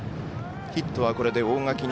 ヒットはこれで大垣